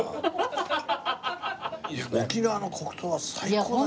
沖縄の黒糖は最高だね。